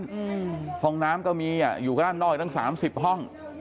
อืมห้องน้ำก็มีอ่ะอยู่ก็ด้านนอกอีกตั้งสามสิบห้อง